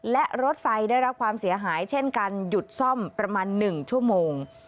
และรถไฟได้รับความเสียหายเช่นกันหยุดซ่อมประมาณ๑ชั่วโมง